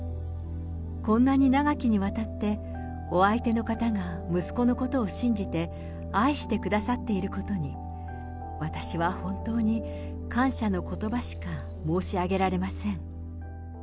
こんなに長きにわたってお相手の方が息子のことを信じて、愛してくださっていることに、私は本当に感謝のことばしか申し上げられません。